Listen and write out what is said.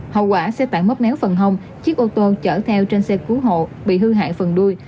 hậu quả xe tải mất méo phần hông chiếc ô tô chở theo trên xe cứu hộ bị hư hại phần đuôi